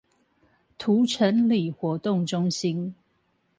塗城里活動中心